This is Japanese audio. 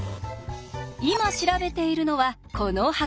今調べているのはこの箱。